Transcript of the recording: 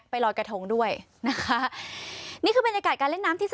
ไปรอยกระทงด้วยนะคะนี่คือเป็นพันธกาลเล่นน้ำที่ส๑๙๘๗